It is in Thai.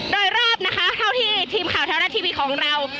โดยรอบนะคะเท่าที่ทีมข่าวแท้รัฐทีวีของเรา